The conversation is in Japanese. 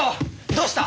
どうした？